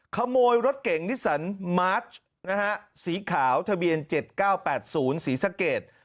ขโมยรถเก่งนิสันมาร์ชนะฮะสีขาวทะเบียน๗๙๘๐ศรีสะเกด